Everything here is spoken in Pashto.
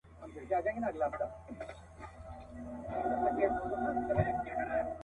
په کندهار کي به د سید عبدالرحمن شاه اغا